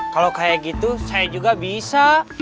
kalau kayak gitu saya juga bisa